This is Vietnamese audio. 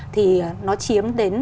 thì nó chiếm đến